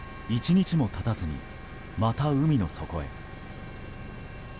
１日も経たずにまた海の底へ。